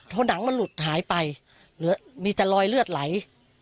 โทนังมันหลุดหายไปมีจันรอยเลือดไหล